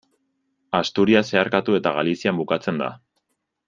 Asturias zeharkatu eta Galizian bukatzen da.